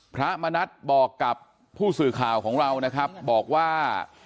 พระมณัฐบอกกับผู้สื่อข่าวของเรานะครับบอกว่า